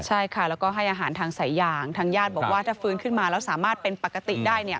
ใช่ค่ะแล้วก็ให้อาหารทางสายยางทางญาติบอกว่าถ้าฟื้นขึ้นมาแล้วสามารถเป็นปกติได้เนี่ย